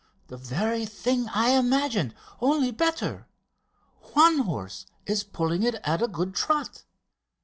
The very thing I imagined, only better! One horse is pulling it at a good trot!"